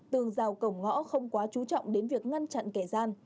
tường rào cổng ngõ không quá chú trọng đến việc ngăn chặn kẻ gian